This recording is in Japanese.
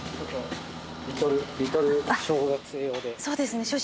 そうですね